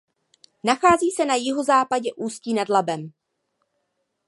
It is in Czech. Nachází se na jihozápadě Ústí nad Labem.